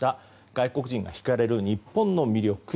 外国人が引かれる日本の魅力。